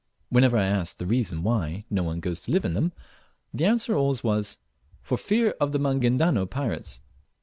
Whenever I asked the reason why no one goes to live in them, the answer always was, "For fear of the Magindano pirates."